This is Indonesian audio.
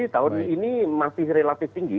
tahun ini masih relatif tinggi